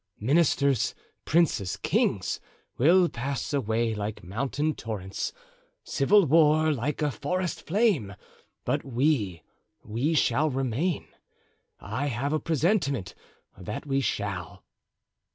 Ministers, princes, kings, will pass away like mountain torrents; civil war, like a forest flame; but we—we shall remain; I have a presentiment that we shall."